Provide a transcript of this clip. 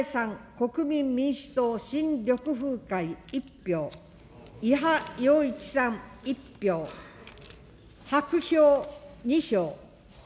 国民民主党・新緑風会１票、伊波洋一さん１票、白票２票。